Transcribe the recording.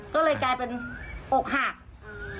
ก็เลยกลายเป็นอกหักอืม